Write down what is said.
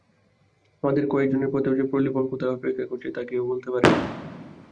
আমাদের কয়জনের পথেও যে প্রলোভন কোথায় অপেক্ষা করছে তা কেউ বলতে পারে না।